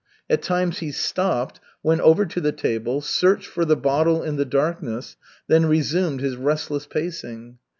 At times he stopped, went over to the table, searched for the bottle in the darkness, then resumed his restless pacing.